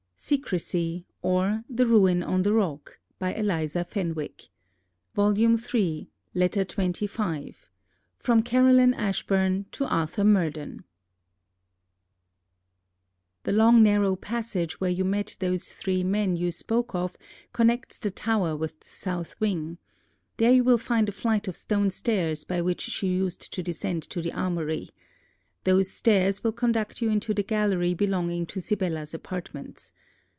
Dear, too dear Montgomery, expect at nine, thy ever faithful JANETTA LAUNDY LETTER XXV FROM CAROLINE ASHBURN TO ARTHUR MURDEN The long narrow passage where you met those three men you spoke of connects the tower with the south wing. There you will find a flight of stone stairs, by which she used to descend to the armoury. Those stairs will conduct you into the gallery belonging to Sibella's apartments.